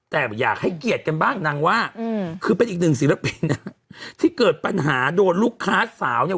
แต่อยากให้เกียรติกันบ้างนางว่าคือเป็นอีกหนึ่งศิลปินที่เกิดปัญหาโดนลูกค้าสาวเนี่ย